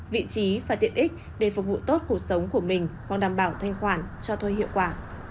vị trí và tiện ích để phục vụ tốt cuộc sống của mình hoặc đảm bảo thanh khoản cho thuê hiệu quả